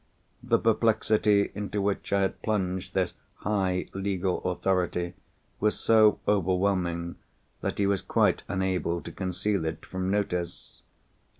The perplexity into which I had plunged this high legal authority was so overwhelming that he was quite unable to conceal it from notice.